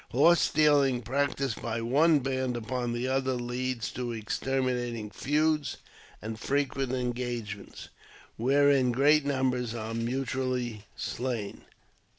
'^ Horse stealing, practised by one l^and upon the other, leads to exterminating feuds and frequent ■engagements, wherein great numbers are mutually slain.